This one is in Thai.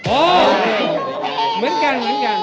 โอ้ยเหมือนกัน